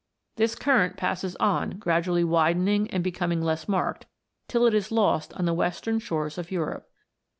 This current passes on, gradually widening and becoming less marked, till it is lost on the western shores of Europe.